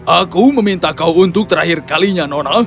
aku meminta kau untuk terakhir kalinya nono